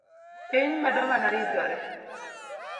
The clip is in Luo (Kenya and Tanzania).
Piny medo mana ridore